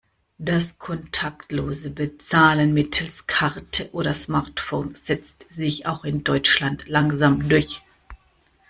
Das kontaktlose Bezahlen mittels Karte oder Smartphone setzt sich auch in Deutschland langsam durch.